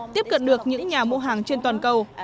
tiếp cận được những nhà mua hàng trên toàn cầu